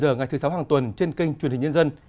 một mươi ngày thứ sáu hàng tuần trên kênh truyền hình nhân dân